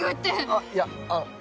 あっいやあの。